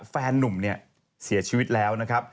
นุ่มเนี่ยเสียชีวิตแล้วนะครับ